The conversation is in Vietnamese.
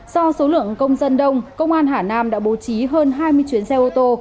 do số lượng công dân đông công an hà nam đã bố trí hơn hai mươi chuyến xe ô tô